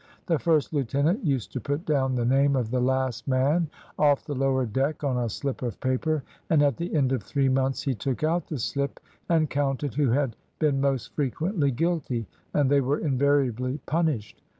"The first lieutenant used to put down the name of the last man off the lower deck on a slip of paper, and at the end of three months he took out the slip, and counted who had been most frequently guilty, and they were invariably punished.